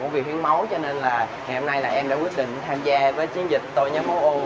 của việc hiến máu cho nên là ngày hôm nay em đã quyết định tham gia với chiến dịch tôi nhóm máu ô